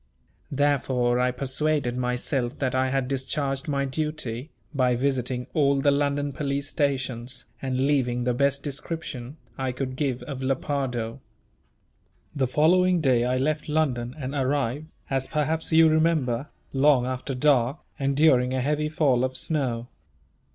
Therefore I persuaded myself that I had discharged my duty, by visiting all the London police stations, and leaving the best description I could give of Lepardo. The following day I left London, and arrived, as perhaps you remember, long after dark, and during a heavy fall of snow.